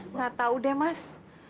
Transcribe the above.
gak tau deh mas